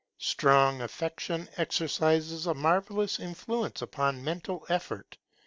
Strong affection exercises a marvellous influence upon mental effort.